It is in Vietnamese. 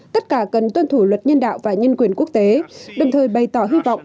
tất cả cần tuân thủ luật nhân đạo và nhân quyền quốc tế đồng thời bày tỏ hy vọng